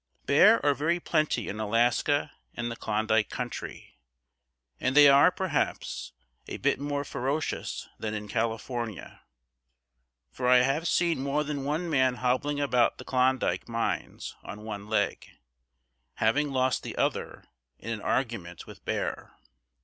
Bear are very plenty in Alaska and the Klondike country, and they are, perhaps, a bit more ferocious than in California, for I have seen more than one man hobbling about the Klondike mines on one leg, having lost the other in an argument with bear.